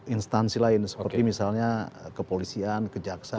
instansi lain seperti misalnya kepolisian kejaksaan